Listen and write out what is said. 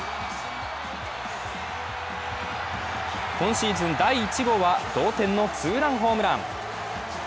今シーズン第１号は同点のツーランホームラン。